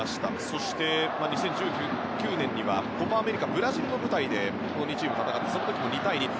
そして、２０１９年にはコパ・アメリカブラジルの舞台で戦ってその時も２対２と。